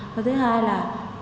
và thứ hai là